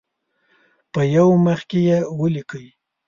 په یو مخ کې یې ولیکئ.